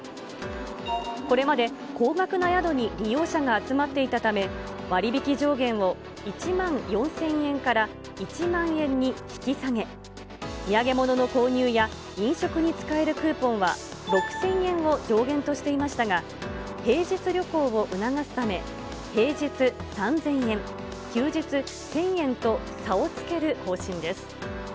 これまで高額な宿に利用者が集まっていたため、割り引き上限を１万４０００円から１万円に引き下げ、土産物の購入や飲食に使えるクーポンは６０００円を上限としていましたが、平日旅行を促すため、平日３０００円、休日１０００円と、差をつける方針です。